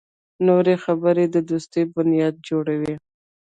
نوې خبرې د دوستۍ بنیاد جوړوي